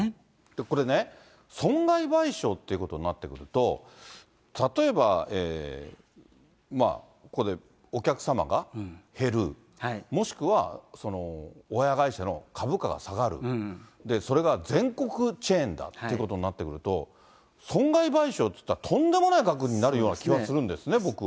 これね、損害賠償っていうことになってくると、例えば、ここでお客様が減る、もしくは親会社の株価が下がる、それが全国チェーンだってことになってくると、損害賠償っていったら、とんでもない額になるような気はするんですね、僕は。